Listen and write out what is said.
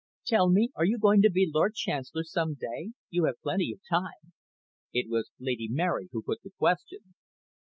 "Tell me, are you going to be Lord Chancellor some day? You have plenty of time." It was Lady Mary who put the question.